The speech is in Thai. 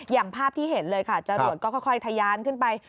อย่างภาพที่เห็นเลยค่ะจรวดก็ค่อยทะยานขึ้นไป